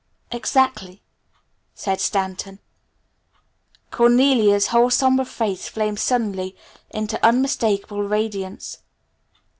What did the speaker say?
"Exactly," said Stanton. Cornelia's whole somber face flamed suddenly into unmistakable radiance.